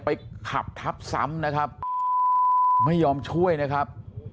ไปขับทับซ้ำนะครับไม่ยอมช่วยนะครับ